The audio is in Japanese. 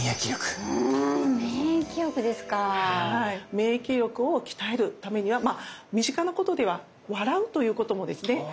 免疫力を鍛えるためにはまあ身近なことでは笑うということもですね